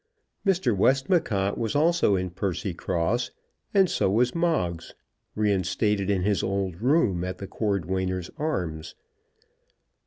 Mr. Westmacott was also in Percycross, and so was Moggs, reinstated in his old room at the Cordwainers' Arms.